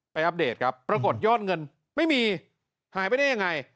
อัปเดตครับปรากฏยอดเงินไม่มีหายไปได้ยังไง